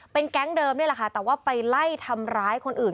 แก๊งเดิมนี่แหละค่ะแต่ว่าไปไล่ทำร้ายคนอื่น